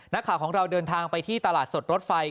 นักข่าวของเราเดินทางไปที่ตลาดสดรถไฟ